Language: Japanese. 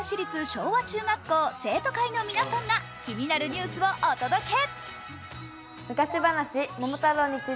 昭和中学校生徒会の皆さんが気になるニュースをお届け。